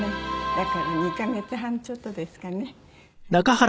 だから２カ月半ちょっとですかねはい。